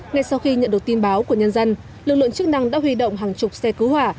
ngay sau khi nhận được tin báo của nhân dân lực lượng chức năng đã huy động hàng chục xe cứu hỏa